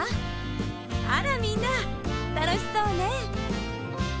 あらみんなたのしそうね。